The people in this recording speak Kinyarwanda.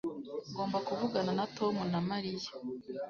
ngomba kuvugana na tom na mariya